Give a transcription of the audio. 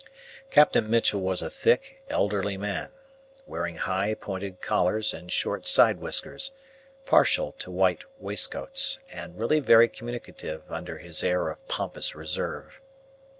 Captain Mitchell was a thick, elderly man, wearing high, pointed collars and short side whiskers, partial to white waistcoats, and really very communicative under his air of pompous reserve.